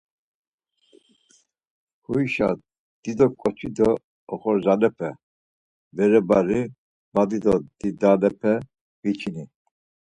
Huyşa dido ǩoçi do oxorzalepe; bere bari, badi do didalepe viçini.